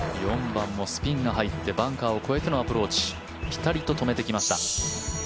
４番もスピンがあってバンカーを越えてのアプローチピタリと止めてきました。